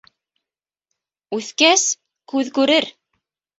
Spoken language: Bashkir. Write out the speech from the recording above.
Үҫкәс - күҙ күрер...